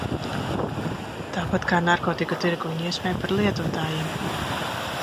Tāpat kā narkotiku tirgoņi iesmej par lietotājiem.